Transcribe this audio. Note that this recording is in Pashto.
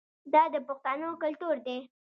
دا د پښتنو کلتور دی.